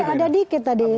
tadi ada dikit tadi